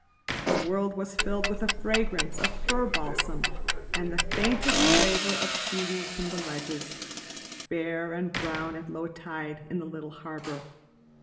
The world was filled with a fragrance of fir balsam and the faintest flavor of seaweed from the ledges, bare and brown at low tide in the little harbor.